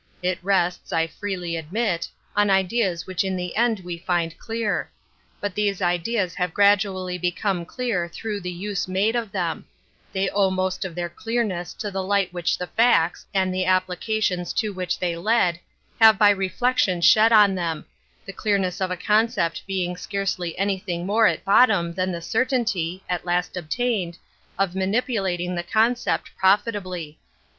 It rests, I freely admit, on ideas which in the end we find clear; but these idea,8 have gradually become clear through the use not inle. I Metaphysics 87 made of them ; they owe most of their clear ness to the light which the facts, and the applications to which they led, have by reflection shed on them — the clearness of a concept being scarcely anything more at bottom than the certainty, at last obtained, of manipulating the concept profitably.